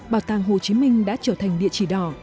bảo tàng hồ chí minh đã trở thành địa chỉ đỏ